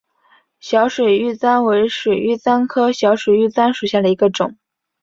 小水玉簪为水玉簪科小水玉簪属下的一个种。